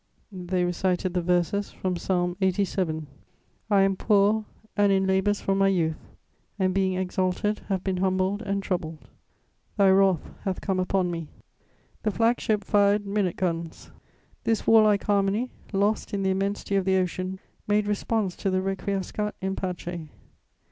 They recited the verses from Psalm 87: "I am poor, and in labours from my youth: and being exalted have been humbled and troubled. "Thy wrath hath come upon me.... " The flag ship fired minute guns. This warlike harmony, lost in the immensity of the Ocean, made response to the _Requiescat in pace.